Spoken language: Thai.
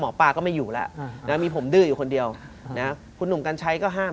ป้าก็ไม่อยู่แล้วมีผมดื้ออยู่คนเดียวนะคุณหนุ่มกัญชัยก็ห้าม